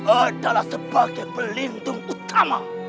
adalah sebagai pelindung utama